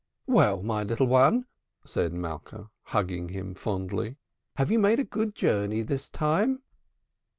"Well, my little one," said Malka, hugging him fondly. "Have you made a good journey this time?"